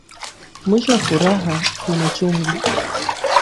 Mwisho wa furah ni machungu